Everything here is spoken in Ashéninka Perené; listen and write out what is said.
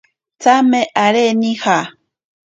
Tsame aré nija.